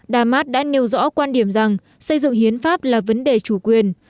đa mát đã nêu rõ quan điểm rằng xây dựng hiến pháp là vấn đề chủ quyền